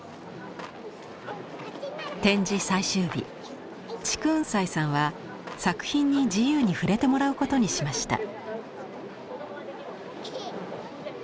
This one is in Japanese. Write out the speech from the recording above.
展示最終日竹雲斎さんは作品に自由に触れてもらうことにしました。